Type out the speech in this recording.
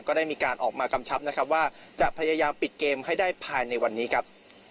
ได้มีการออกมากำชับนะครับว่าจะพยายามปิดเกมให้ได้ภายในวันนี้ครับ